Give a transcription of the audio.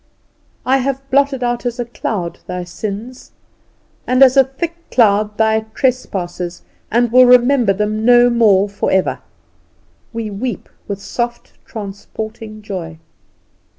"I have blotted out as a cloud thy sins, and as a thick cloud thy trespasses, and will remember them no more for ever." We weep with soft transporting joy.